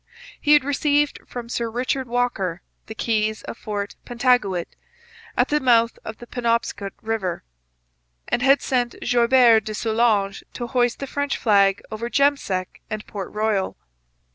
He had received from Sir Richard Walker the keys of Fort Pentagouet, at the mouth of the Penobscot river, and had sent Joybert de Soulanges to hoist the French flag over Jemsek and Port Royal.